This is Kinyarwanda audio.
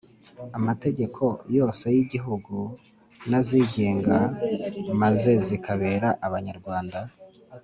amategeko yose y'igihugu n'azigenga, maze zikabera abanyarwanda